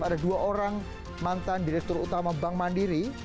ada dua orang mantan direktur utama bank mandiri